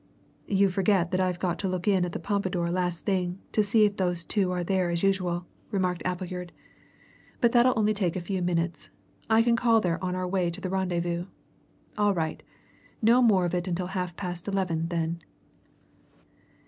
"You forget that I've got to look in at the Pompadour last thing to see if those two are there as usual," remarked Appleyard. "But that'll only take a few minutes I can call there on our way to the rendezvous. All right no more of it until half past eleven, then."